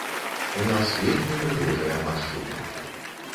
У нас вельмі прыгожыя маршруты.